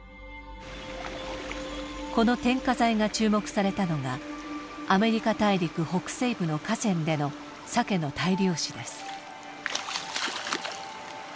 この添加剤が注目されたのがアメリカ大陸北西部の河川でのサケの大量死です。